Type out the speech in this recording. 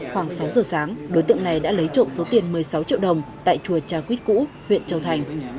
khoảng sáu giờ sáng đối tượng này đã lấy trộm số tiền một mươi sáu triệu đồng tại chùa trà quýt cũ huyện châu thành